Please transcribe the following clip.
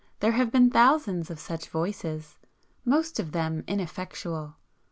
There have been thousands of such Voices; most of them ineffectual.